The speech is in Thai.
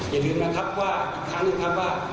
อย่าลืมนะครับว่าอีกครั้งหนึ่งครับว่า